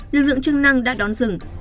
lực lượng chức năng đã đón dừng